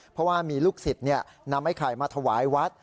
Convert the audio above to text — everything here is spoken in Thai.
เพราะว่ามีลูกศิษย์นำไอ้ไข่มาถวายวัด